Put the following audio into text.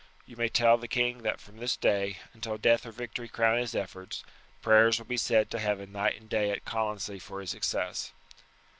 You may tell the king that from this day, until death or victory crown his efforts, prayers will be said to heaven night and day at Colonsay for his success."